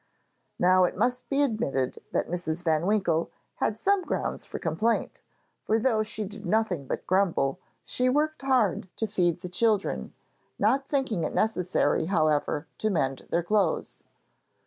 Now it must be admitted that Mrs. van Winkle had some grounds for complaint, for though she did nothing but grumble, she worked hard to feed the children, not thinking it necessary however to mend their clothes.